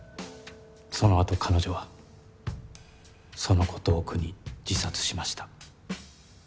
そのあと彼女はそのことを苦に自殺しました。